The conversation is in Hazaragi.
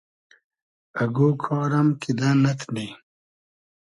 اگۉ کار ام کیدہ نئتنی